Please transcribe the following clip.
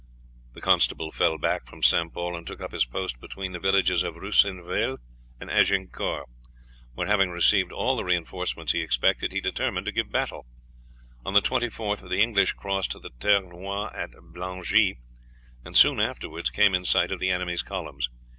The constable fell back from St. Pol and took up his post between the villages of Ruissanville and Agincourt, where, having received all the reinforcements he expected, he determined to give battle. On the 24th the English crossed the Ternois at Blangi, and soon afterwards came in sight of the enemy's columns.